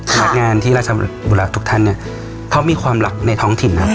พนักงานที่ราชบุระทุกท่านเนี่ยเขามีความรักในท้องถิ่นนะ